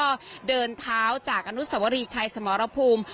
สร้างย่อนเท้าจากหนุนสวรีชายสมรภูมิ